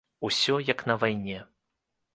Усё, як на вайне.